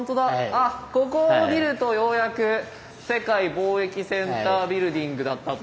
あっここを見るとようやく世界貿易センタービルディングだったというのが。